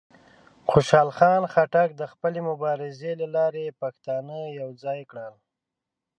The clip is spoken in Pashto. خوشحال خان خټک د خپلې مبارزې له لارې پښتانه یوځای کړل.